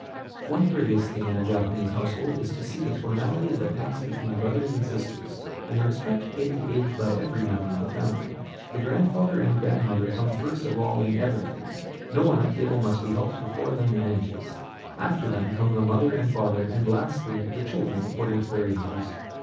One curious thing in a Japanese household is to see the formalities that pass between brothers and sisters, and the respect paid to age by every member of the family. The grandfather and grandmother come first of all in everything, no one at table must be helped before them in any case; after them come the father and mother; and lastly, the children according to their ages.